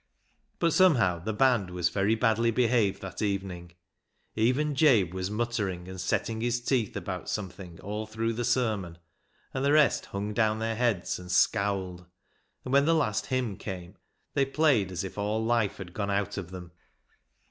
But somehow the band was very badly behaved that evening. Even Jabe was mutter ing and setting his teeth about something all through the sermon, and the rest hung down their heads and scowled ; and when the last hymn came they played as if all life had gone out of them.